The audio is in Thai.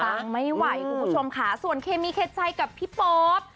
ไม่ไหวคุณผู้ชมค่ะส่วนเคมีเคใจกับพี่โป๊ป